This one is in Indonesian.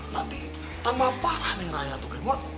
nanti tambah parah neng raya tuh kemur